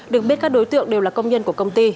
được biết các đối tượng đều là công nhân của công ty